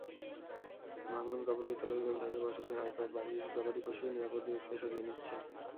ভাঙনকবলিত লোকজন তাদের বসতঘর, আসবাব, বাড়ির গবাদিপশু নিরাপদ দূরত্বে সরিয়ে নিচ্ছে।